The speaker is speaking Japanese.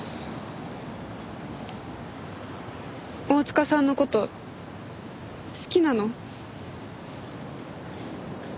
大塚さんの事好きなの？